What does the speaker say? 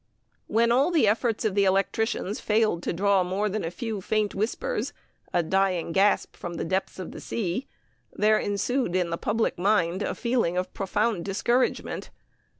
When all the efforts of the electricians failed to draw more than a few faint whispers a dying gasp from the depths of the sea there ensued, in the public mind, a feeling of profound discouragement.